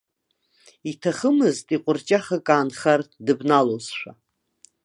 Иҭахымызт иҟәырҷахак аанхар, дыбналозшәа.